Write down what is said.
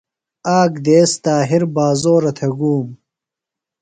آک دیس طاہر بازورہ تھےۡ گوم۔